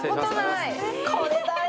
これだよ！